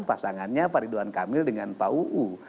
pasangannya pak ridwan kamil dengan pak uu